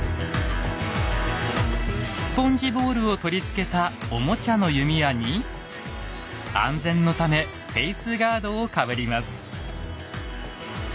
スポンジボールを取り付けたおもちゃの弓矢に安全のためフェイスガードをかぶります。